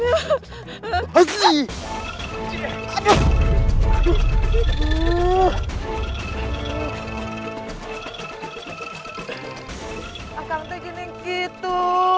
aku tidak mau begitu